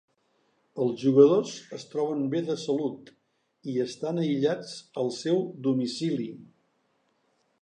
Els jugadors es troben bé de salut i estan aïllats al seu domicili.